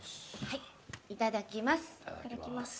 いただきます。